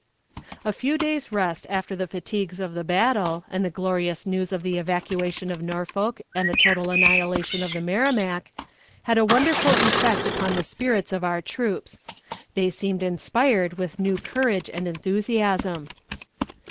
A few days' rest after the fatigues of the battle, and the glorious news of the evacuation of Norfolk and the total annihilation of the Merrimac, had a wonderful effect upon the spirits of our troops; they seemed inspired with new courage and enthusiasm.